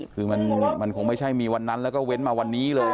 คือมันคงไม่ใช่มีวันนั้นแล้วก็เว้นมาวันนี้เลย